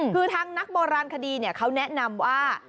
คือทางนักโบราณคดีเขาแนะนำว่า